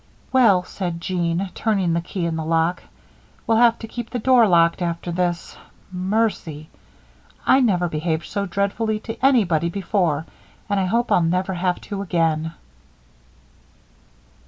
"Well," said Jean, turning the key in the lock, "we'll have to keep the door locked after this. Mercy! I never behaved so dreadfully to anybody before and I hope I'll never have to again."